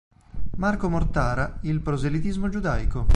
Marco Mortara Il proselitismo giudaico.